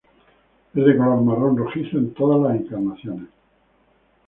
Es de color marrón rojizo en todas las encarnaciones.